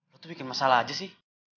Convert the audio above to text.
aku tuh bikin masalah aja sih